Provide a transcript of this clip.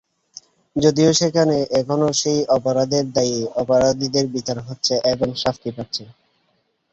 যদিও সেখানে এখনো সেই অপরাধের দায়ে অপরাধীদের বিচার হচ্ছে এবং শাস্তি পাচ্ছে।